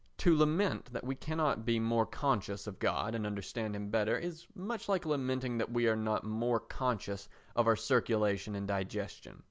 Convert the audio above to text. To lament that we cannot be more conscious of God and understand him better is much like lamenting that we are not more conscious of our circulation and digestion.